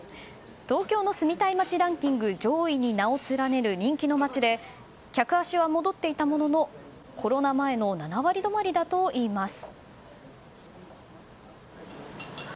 東京の住みたい街ランキング上位に名を連ねる人気の街で客足は戻っていたもののコロナ前の７割どまりだといいます。